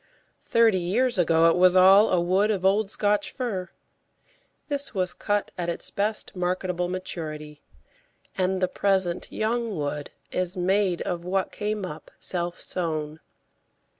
Thirty years ago it was all a wood of old Scotch fir. This was cut at its best marketable maturity, and the present young wood is made of what came up self sown.